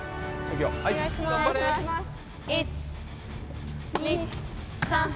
お願いします！